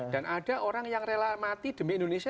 dan ada orang yang rela mati demi indonesia